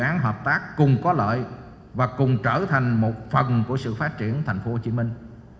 các dự án hợp tác cùng có lợi và cùng trở thành một phần của sự phát triển thành phố hồ chí minh